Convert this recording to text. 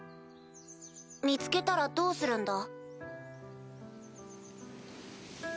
見つけたらどうするんだ？